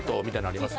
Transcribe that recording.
あります。